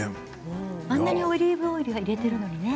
あんなにオリーブオイルを入れているのにね